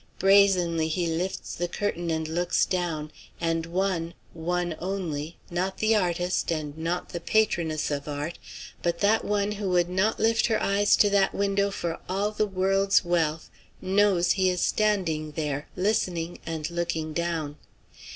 Brazenly he lifts the curtain and looks down; and one, one only not the artist and not the patroness of art, but that one who would not lift her eyes to that window for all the world's wealth knows he is standing there, listening and looking down.